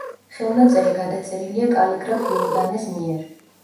ხელნაწერი გადაწერილია კალიგრაფ იორდანეს მიერ.